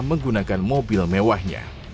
menggunakan mobil mewahnya